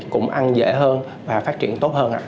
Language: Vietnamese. cũng ăn dễ hơn và phát triển tốt hơn